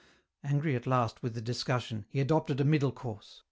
Angry at last with the discussion, he adopted a middle course.